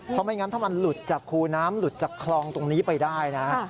เพราะไม่งั้นถ้ามันหลุดจากคูน้ำหลุดจากคลองตรงนี้ไปได้นะ